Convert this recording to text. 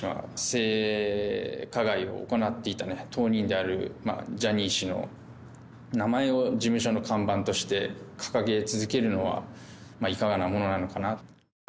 性加害を行っていた当人であるジャニー氏の名前を事務所の看板として掲げ続けるのは、まあ、いかがなものなのかなと。